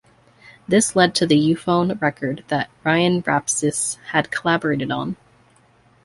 This led to The Euphone record that Ryan Rapsys had collaborated on.